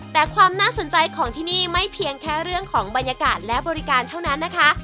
แต่ความน่าสนใจของที่นี่ไม่เพียงแค่เรื่องของบรรยากาศและบริการเท่านั้นนะคะ